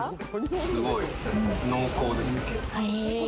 すごい濃厚ですね。